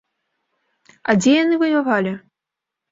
А дзе яны ваявалі?